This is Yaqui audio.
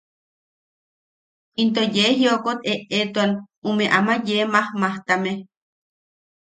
Into yee jiokot eʼeetuan ume ama yee majmajtame.